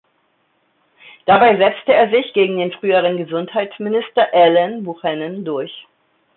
Dabei setzte er sich gegen den früheren Gesundheitsminister Alan Buchanan durch.